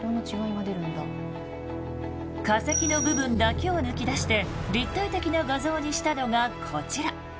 化石の部分だけを抜き出して立体的な画像にしたのがこちら。